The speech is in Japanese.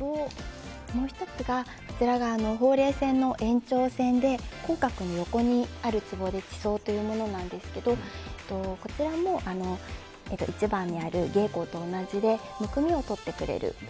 もう１つがほうれい線の延長線で口角の横にあるつぼで地倉というものなんですけどこちらも１番にある迎香と同じでむくみをとってくれる。